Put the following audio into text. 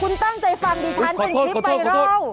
คุณตั้งใจฟังดิฉันเป็นคลิปไวรัล